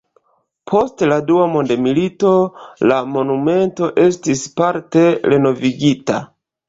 Post la dua mondmilito la monumento estis parte renovigita.